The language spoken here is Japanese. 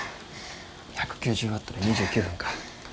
１９０ワットで２９分か。